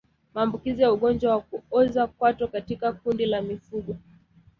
Maambukizi ya ugonjwa wa kuoza kwato katika kundi la mifugo